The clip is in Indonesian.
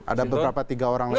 ada beberapa tiga orang lain